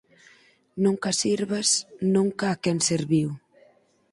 Nunca sirvas nunca a quen serviu